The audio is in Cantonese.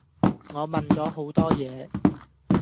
我問咗好多野